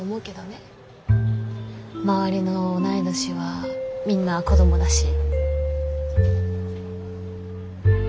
周りの同い年はみんな子どもだし。